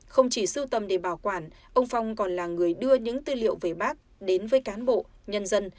không chỉ sưu tầm để bảo quản ông phong còn là người đưa những tư liệu về bác đến với cán bộ nhân dân